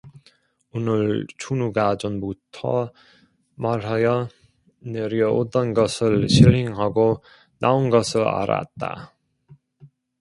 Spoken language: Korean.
오늘 춘우가 전부터 말하여 내려오던 것을 실행하고 나온 것을 알았다.